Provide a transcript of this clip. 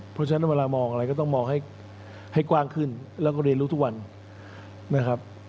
เพราะฉะนั้นเวลามองอะไรก็ต้องมองให้กว้างขึ้นแล้วก็เรียนรู้ทุกวันนะครับ